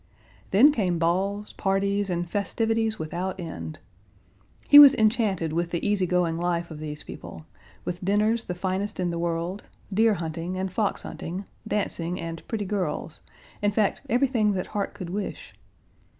Then came balls, parties, and festivities without end. He was enchanted with the easy going life of these people, with dinners the finest in the world, deer hunting, and fox hunting, dancing, and pretty girls, in fact everything that heart could wish.